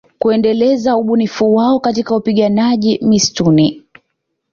Kuendeleza ubunifu wao katika upiganaji mistuni